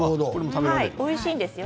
おいしいんですよ。